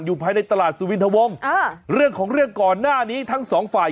ภายในตลาดสุวินทวงเรื่องของเรื่องก่อนหน้านี้ทั้งสองฝ่าย